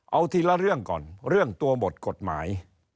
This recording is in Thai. เอาทีละเรื่องก่อนเรื่องตัวบทกฎหมาย